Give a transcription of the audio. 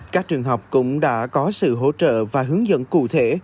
các trường học cũng đã có sự hỗ trợ và hướng dẫn cụ thể